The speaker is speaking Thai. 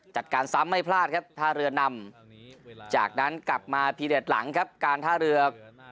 จัดการซ้ำไม่พลาดครับท่าเรือนำจากนั้นกลับมาพีเด็ดหลังครับการท่าเรือ